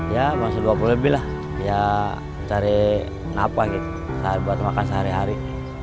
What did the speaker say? ya masih dua puluh lebih lah ya cari napa gitu buat makan sehari hari